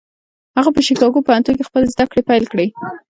هغه په شيکاګو پوهنتون کې خپلې زدهکړې پيل کړې.